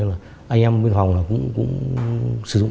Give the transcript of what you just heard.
anh em biên phòng cũng sử dụng